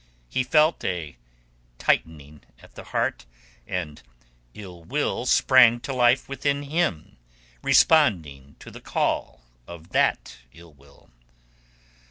He felt a tightening at the heart, and ill will sprang to life within him responding to the call of that ill will.